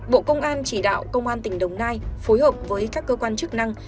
bộ công an chỉ đạo công an tỉnh đồng nai phối hợp với các cơ quan chức năng